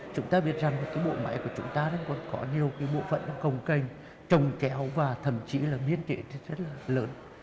chúng ta biết rằng bộ máy của chúng ta có nhiều bộ phận công kênh trồng kéo và thậm chí là biên kỷ rất là lớn